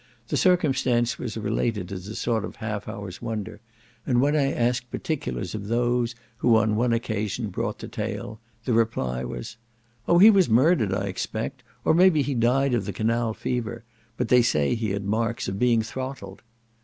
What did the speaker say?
The circumstance was related as a sort of half hour's wonder; and when I asked particulars of those who, on one occasion, brought the tale, the reply was, "Oh, he was murdered I expect; or maybe he died of the canal fever; but they say he had marks of being throttled."